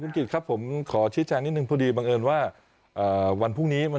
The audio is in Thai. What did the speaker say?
คุณกิจครับผมขอชิดแจ้งนิดนึงพอดีบังเอิญว่า